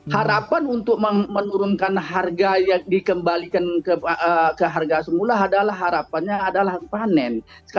harapan untuk menurunkan harga yang dikembalikan ke harga semula adalah harapannya adalah panen